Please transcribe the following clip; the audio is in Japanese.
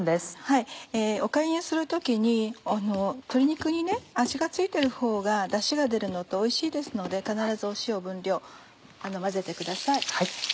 おかゆにする時に鶏肉に味が付いてるほうがダシが出るのとおいしいですので必ず塩を分量混ぜてください。